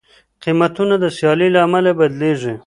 قیمتونه د سیالۍ له امله بدلېږي.